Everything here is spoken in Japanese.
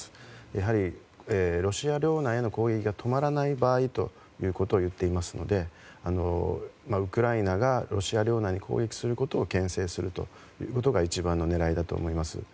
やはり、ロシア領内への攻撃が止まらない場合ということを言っていますのでウクライナがロシア領内を攻撃することを牽制するということが一番の狙いだと思います。